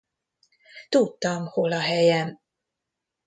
Tudtam, hol a helyem.